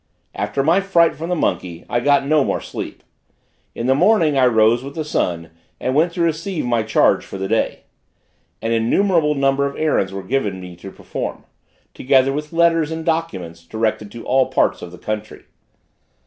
After my fright from the monkey, I got no more sleep. In the morning I rose with the sun, and went to receive my charge for the day. An innumerable number of errands were given me to perform, together with letters and documents directed to all parts of the country.